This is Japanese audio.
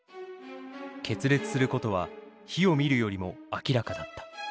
決裂することは火を見るよりも明らかだった。